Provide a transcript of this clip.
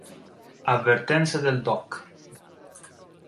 Avvertenze del dott.